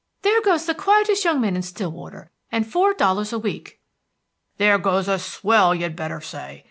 There goes the quietest young man in Stillwater, and four dollars a week!" "There goes a swell, you'd better say.